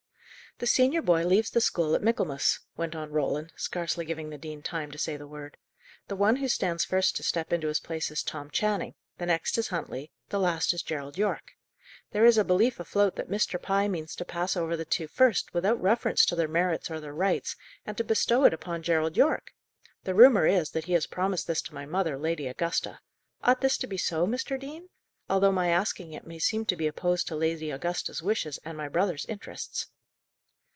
"The senior boy leaves the school at Michaelmas," went on Roland, scarcely giving the dean time to say the word. "The one who stands first to step into his place is Tom Channing; the next is Huntley; the last is Gerald Yorke. There is a belief afloat that Mr. Pye means to pass over the two first, without reference to their merits or their rights, and to bestow it upon Gerald Yorke. The rumour is, that he has promised this to my mother, Lady Augusta. Ought this to be so, Mr. Dean? although my asking it may seem to be opposed to Lady Augusta's wishes and my brother's interests."